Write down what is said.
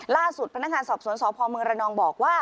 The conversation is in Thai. ล่าสุดพนักงานสอบสวนสพเมืองระนองบอกว่า